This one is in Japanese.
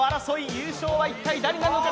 優勝は一体誰なのか。